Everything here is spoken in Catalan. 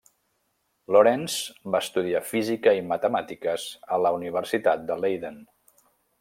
Lorentz va estudiar física i matemàtiques a la Universitat de Leiden.